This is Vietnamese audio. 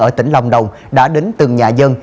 ở tỉnh long đồng đã đến từng nhà dân